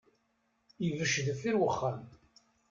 Ibec deffir uxxam.